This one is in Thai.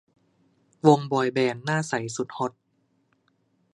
วงบอยแบนด์หน้าใสสุดฮอต